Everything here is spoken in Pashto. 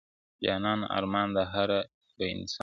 جانان ارمان د هره یو انسان دی والله.